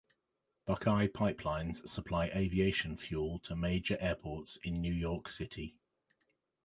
Buckeye pipelines supply aviation fuel to major airports in New York City.